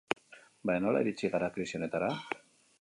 Baina nola iritsi gara krisi honetara?